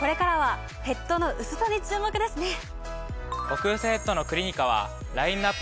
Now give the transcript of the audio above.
極薄ヘッドのクリニカはラインナップも豊富です。